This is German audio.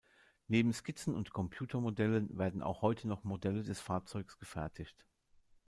Neben Skizzen und Computermodellen werden auch heute noch Modelle des Fahrzeugs gefertigt.